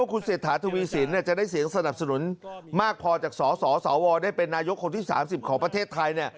คุณเศรษฐาทวีสินจะได้เสียงสนับสนุนมากพอจากสสวได้เป็นนายกคนที่๓๐ของประเทศไทย